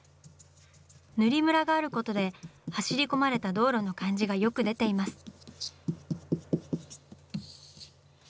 塗りムラがあることで走り込まれた道路の感じがよく出ています。